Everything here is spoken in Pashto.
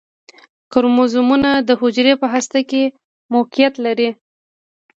کروموزومونه د حجرې په هسته کې موقعیت لري